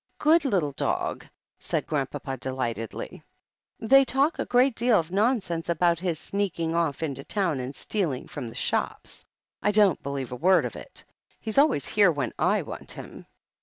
"Good little dogl" said Grandpapa delightedly. 82 THE HEEL OF ACHILLES "They talk a great deal of nonsense about his sneaking off into the town and stealing from the shops r I don't believe a word of it ! He's always here when / want him."